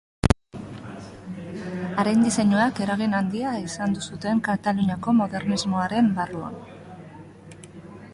Haren diseinuak eragin handia izan zuten Kataluniako modernismoaren barruan.